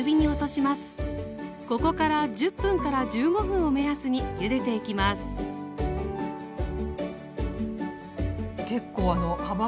ここから１０分から１５分を目安にゆでていきますそうですね